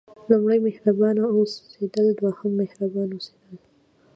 لومړی مهربانه اوسېدل دوهم مهربانه اوسېدل.